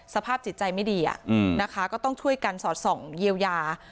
สภาพจิตใจไม่ดีนะคะก็ต้องช่วยกันสอดส่องเยียวยา